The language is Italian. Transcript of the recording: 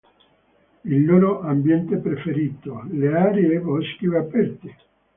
Il loro ambiente preferito: le aree boschive aperte.